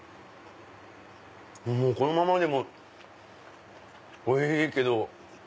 このままでもおいしいけど。